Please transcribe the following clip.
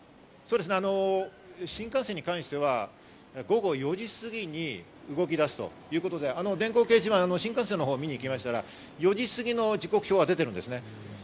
新幹線に関しては、午後４時すぎに動き出すということで電光掲示板、新幹線のほうを見に行きましたら４時過ぎの時刻表は出ています。